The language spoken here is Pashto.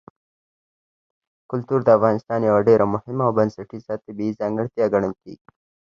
کلتور د افغانستان یوه ډېره مهمه او بنسټیزه طبیعي ځانګړتیا ګڼل کېږي.